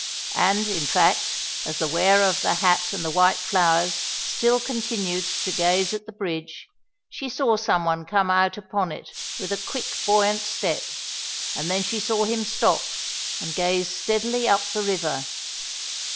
And, in fact, as the wearer of the hat and the white flowers still continued to gaze at the bridge, she saw some one come out upon it with a quick, buoyant step, and then she saw him stop and gaze steadily up the river.